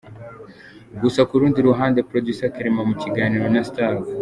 Gusa ku rundi ruhande, producer Clement mu kiganiro na Star.